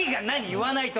言わないと。